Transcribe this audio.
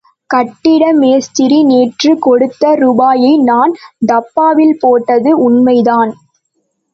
கட்டிட மேஸ்திரி நேற்றுக் கொடுத்த ரூபாயை நான் டப்பாவில் போட்டது உண்மைதான்.